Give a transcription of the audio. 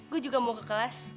gue juga mau ke kelas